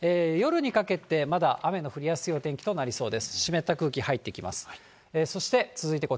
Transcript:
広島、山口方面の方は、夜にかけてまだ雨の降りやすいお天気となりそうです。